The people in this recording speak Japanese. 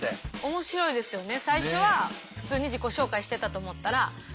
面白いですよね。